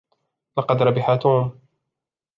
لقد ربح توم.